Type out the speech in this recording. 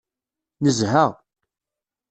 Nezha.